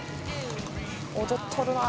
踊っとるなぁ。